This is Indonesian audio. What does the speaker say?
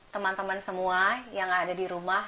teman teman semua yang ada di rumah